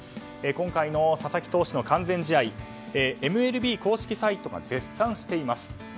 今回の佐々木投手の完全試合をＭＬＢ公式サイトが絶賛しています。